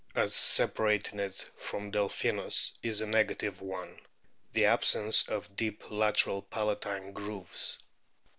be, DOLPHINS 259 separating it from Delphinus is a negative one the absence of deep lateral palatine grooves."